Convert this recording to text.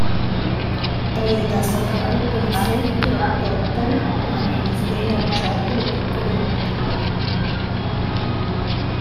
Preda soprattutto insetti ortotteri, ma non disdegna lucertole e piccoli roditori.